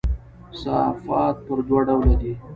صفات پر دوه ډوله دي.